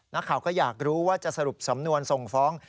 นักข่าวก็อยากรู้ว่าจะสรุปสำนวนส่งฟ้อง